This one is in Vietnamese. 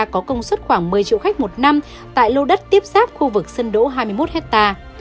có công suất khoảng một mươi triệu khách một năm tại lô đất tiếp xác khu vực sân đỗ hai mươi một hectare